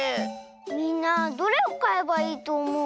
みんなどれをかえばいいとおもう？